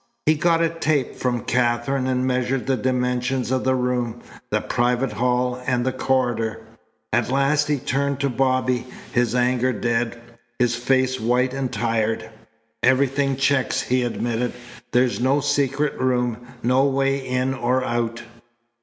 He got a tape from Katherine and measured the dimensions of the room, the private hall, and the corridor. At last he turned to Bobby, his anger dead, his face white and tired. "Everything checks," he admitted. "There's no secret room, no way in or out.